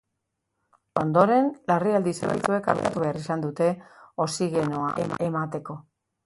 Ondoren, larrialdi zerbitzuek artatu behar izan dute, oxigenoa emateko.